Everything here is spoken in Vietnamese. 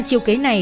chiêu kế này